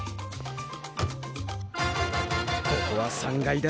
ここは３階だ。